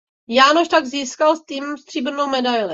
Jánoš tak získal s týmem stříbrnou medaili.